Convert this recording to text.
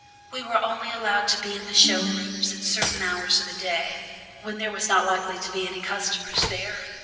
We were only allowed to be in the show rooms at certain hours of the day, when there were not likely to be any customers there.